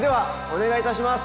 お願いします。